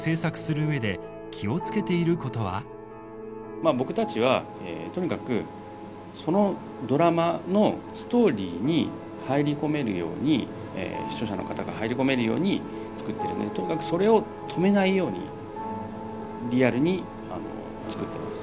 まあ僕たちはとにかくそのドラマのストーリーに入り込めるように視聴者の方が入り込めるように作ってるのでとにかくそれを止めないようにリアルに作ってます。